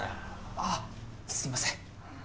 あっすいません。